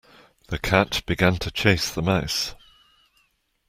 The cat began to chase the mouse.